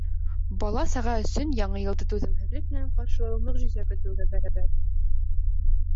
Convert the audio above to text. Бала-саға өсөн Яңы йылды түҙемһеҙлек менән ҡаршылау мөғжизә көтөүгә бәрәбәр.